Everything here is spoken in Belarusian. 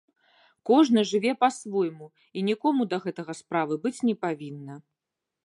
Кожны жыве па-свойму, і нікому да гэтага справы быць не павінна.